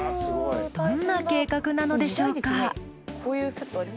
どんな計画なのでしょうか？